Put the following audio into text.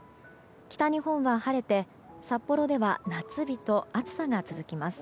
北日本は晴れて札幌では夏日と暑さが続きます。